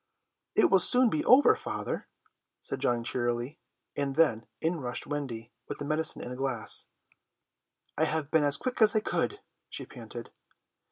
"It will soon be over, father," John said cheerily, and then in rushed Wendy with the medicine in a glass. "I have been as quick as I could," she panted.